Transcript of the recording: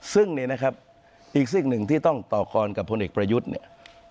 ซึ่งเนี่ยนะครับอีกสิ่งหนึ่งที่ต้องต่อคอนกับพลเอกประยุทธ์เนี่ย